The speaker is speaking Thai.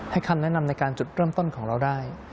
คำแนะนำในการจุดเริ่มต้นของเราได้